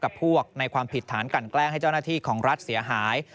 กับพวกในความผิดฐานกันแกล้งให้เจ้าหน้าที่ของรัฐเสียหาย